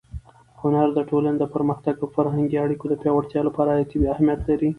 هنر د ټولنې د پرمختګ او فرهنګي اړیکو د پیاوړتیا لپاره حیاتي اهمیت لري.